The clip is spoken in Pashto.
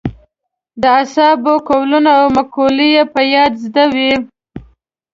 د اصحابو قولونه او مقولې یې په یاد زده وې.